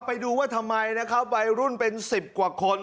ไปดูว่าทำไมนะครับวัยรุ่นเป็น๑๐กว่าคน